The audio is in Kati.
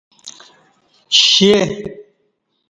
شے